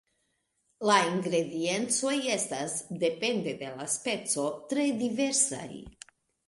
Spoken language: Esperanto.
La ingrediencoj estas, depende de la speco, tre diversaj.